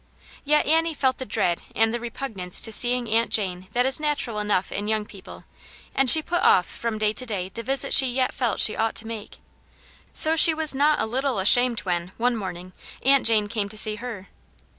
Yet Annie felt the dread and the repugnance to seeing Aunt Jane that is natural enough in young people, and she put off from day to day the visit she yet felt she ought to make. So she was not a little ashamed when, one morning, Aunt Jane came to see her.